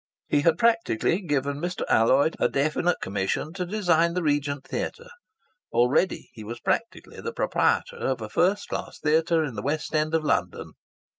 He had practically given Mr. Alloyd a definite commission to design the Regent Theatre. Already he was practically the proprietor of a first class theatre in the West End of London!